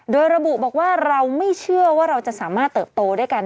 โดยระบุบอกว่าเราไม่เชื่อว่าเราจะสามารถเติบโตด้วยกัน